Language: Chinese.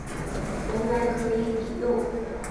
原来可以抵用